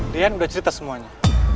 lian udah cerita semuanya